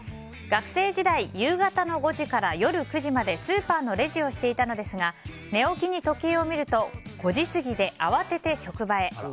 学生時代、夕方の５時から夜９時までスーパーのレジをしていたのですが寝起きに時計を見ると５時過ぎで慌てて職場へ。